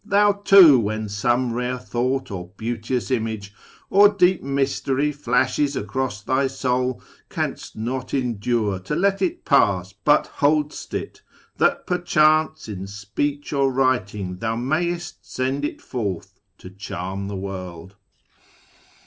Thou, too, when some rare tliouglit, Or beauteous image, or deep mystery Flashes across thy soul, canst not endure To let it pass, but hold'st it, that perchance In speech or writing thou may'st send it forth To charm the world.